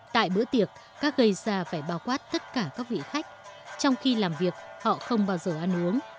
tại bữa tiệc các gây ra phải bao quát tất cả các vị khách trong khi làm việc họ không bao giờ ăn uống